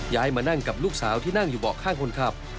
มานั่งกับลูกสาวที่นั่งอยู่เบาะข้างคนขับ